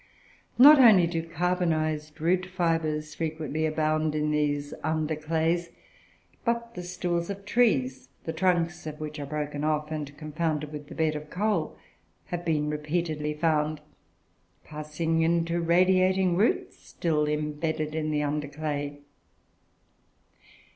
Not only do carbonized root fibres frequently abound in these under clays; but the stools of trees, the trunks of which are broken off and confounded with the bed of coal, have been repeatedly found passing into radiating roots, still embedded in the under clay.